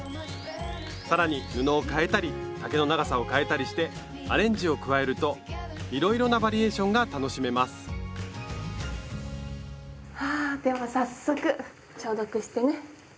更に布を変えたり丈の長さを変えたりしてアレンジを加えるといろいろなバリエーションが楽しめますはでは早速消毒してね。